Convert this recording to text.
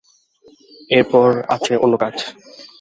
এরপর আছে অন্য কাজ।